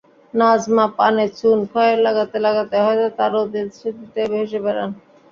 নাজমা পানে চুন, খয়ের লাগাতে লাগাতে হয়তো তাঁর অতীত স্মৃতিতে ভেসে বেড়ান।